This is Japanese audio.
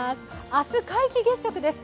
明日皆既月食です。